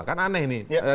kan aneh nih